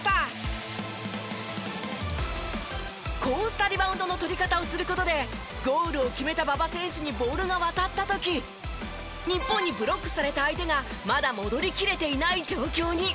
こうしたリバウンドの取り方をする事でゴールを決めた馬場選手にボールが渡った時日本にブロックされた相手がまだ戻りきれていない状況に。